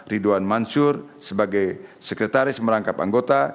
ridwan mansur sebagai sekretaris merangkap anggota